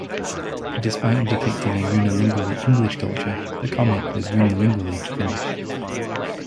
Despite depicting a unilingually English culture, the comic was unilingually Finnish.